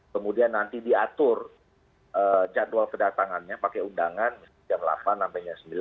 kemudian nanti diatur jadwal kedatangannya pakai undangan misalnya jam delapan sampai jam sembilan